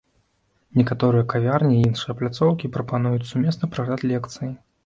Некаторыя кавярні і іншыя пляцоўкі прапануюць сумесны прагляд лекцыі.